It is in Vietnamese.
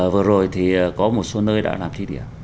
vừa rồi thì có một số nơi đã làm thi địa